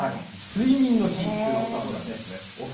睡眠の日ということなんですね。